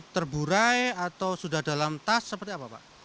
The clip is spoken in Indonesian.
terburai atau sudah dalam tas seperti apa pak